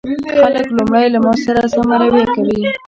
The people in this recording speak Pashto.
خلک لومړی له ما سره سمه رويه کوي